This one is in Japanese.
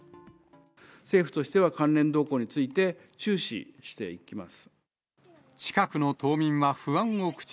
政府としては関連動向について注視していきます。